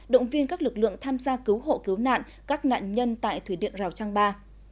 động viên các lực lượng tham gia cứu hộ cứu nạn các nạn nhân tại thủy điện rào trang ba